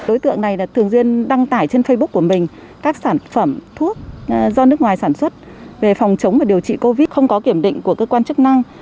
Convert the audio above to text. đối tượng này thường xuyên đăng tải trên facebook của mình các sản phẩm thuốc do nước ngoài sản xuất về phòng chống và điều trị covid không có kiểm định của cơ quan chức năng